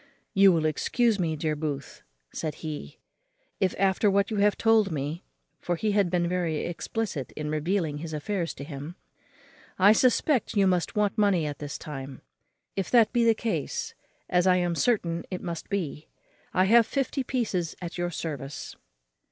"You will excuse me, dear Booth," said he, "if, after what you have told me" (for he had been very explicit in revealing his affairs to him), "I suspect you must want money at this time. If that be the case, as I am certain it must be, I have fifty pieces at your service."